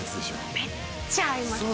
めっちゃ合います